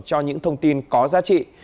cho những thông tin có giá trị